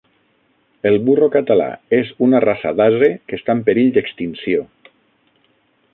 El burro català és una raça d'ase que està en perill d'extinció